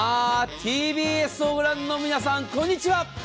ＴＢＳをご覧の皆さん、こんにちは。